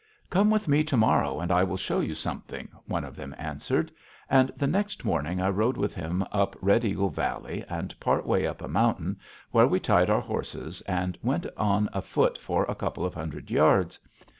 "Come with me to morrow and I will show you something," one of them answered. And the next morning I rode with him up Red Eagle Valley and part way up a mountain, where we tied our horses and went on afoot for a couple of hundred yards.